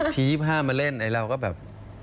ที๒๕มาเล่นไอ้เราก็แบบ